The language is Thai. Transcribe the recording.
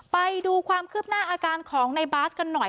ไปดูความคืบหน้าอาการของในบาสกันหน่อย